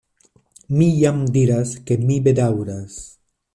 Mi jam diras ke mi bedaŭras.